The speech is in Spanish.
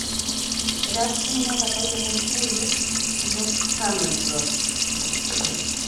Tras una batalla con ellos, los Hammer Bros.